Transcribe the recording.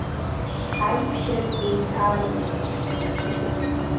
Аиԥшьратә еидҳәалагақәа…